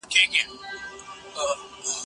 څاڅکي څاڅکي مي د اوښکو